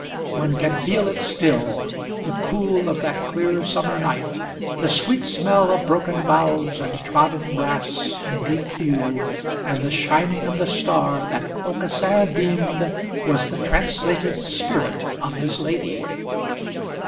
One can feel it still, the cool of that clear summer night, the sweet smell of broken boughs, and trodden grass, and deep dew, and the shining of the star that Aucassin deemed was the translated spirit of his lady.